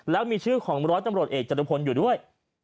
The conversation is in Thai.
แล้วมีชื่อของร้อยตำรวจเอกจตุพลอยู่ด้วย